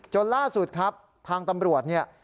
ล่าสุดครับทางตำรวจเนี่ย